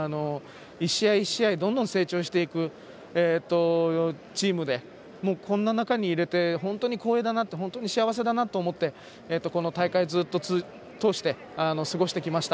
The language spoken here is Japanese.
一試合一試合どんどん成長していくチームでこんな中にいれて本当に光栄だな幸せだなと思ってこの大会通して、ずっと過ごしてきました。